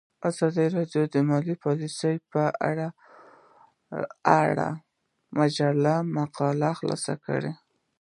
ازادي راډیو د مالي پالیسي په اړه د مجلو مقالو خلاصه کړې.